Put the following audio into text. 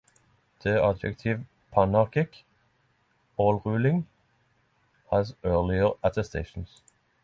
The adjective "panarchic" "all-ruling" has earlier attestations.